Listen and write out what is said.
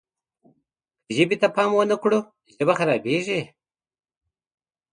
که ژبې ته پام ونه کړو ژبه خرابېږي.